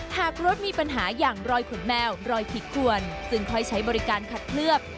หากรถมีปัญหาอย่างรอยขุนแมวรอยผิดกวนจึงค่อยใช้บริการขัดเคลือบ